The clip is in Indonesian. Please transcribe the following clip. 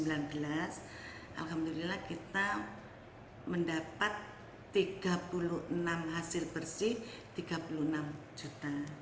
alhamdulillah kita mendapat tiga puluh enam hasil bersih tiga puluh enam juta